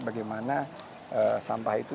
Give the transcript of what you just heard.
bagaimana sampah itu